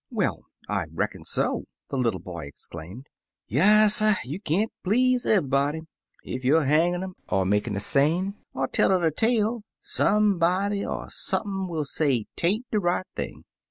"Well, I reckon so," the little boy ex claimed. "Yasser, you can't please eve'ybody. Ef youer hangin' um, er makin' a seine, er tellin' a tale, somebody er sump'n will say 'tain't de right thing.